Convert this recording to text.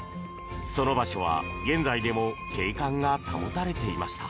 その場所は、現在でも景観が保たれていました。